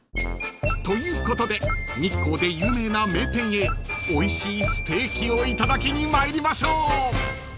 ［ということで日光で有名な名店へおいしいステーキをいただきに参りましょう］